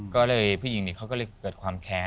ก็เลยผู้หญิงนี้เขาก็เลยเกิดความแค้น